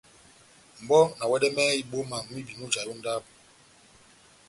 Mʼbɔ na wɛdɛmɛhɛ ibɔ́ma mwibi mujahi ó ndábo.